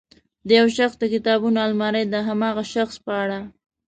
د یو شخص د کتابونو المارۍ د هماغه شخص په اړه.